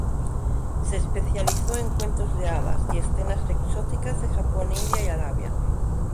Se especializó en cuentos de hadas, y escenas exóticas de Japón, India y Arabia.